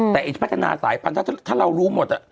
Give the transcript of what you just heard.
แต่พัฒนาสายพันธุ์ถ้าเรารู้หมด